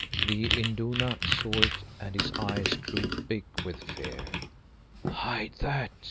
The Induna saw it and his eyes grew big with fear. "Hide that!"